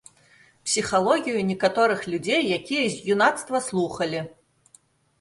Псіхалогію некаторых людзей, якія з юнацтва слухалі.